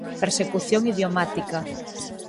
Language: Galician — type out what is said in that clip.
Persecución idiomática.